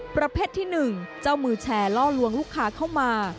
ประเภทที่๑เจ้ามือแชร์ล่อลวงลูกค้าเข้ามา